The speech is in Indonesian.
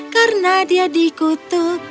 karena dia dikutuk